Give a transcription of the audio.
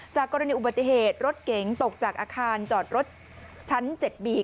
กรณีอุบัติเหตุรถเก๋งตกจากอาคารจอดรถชั้น๗บี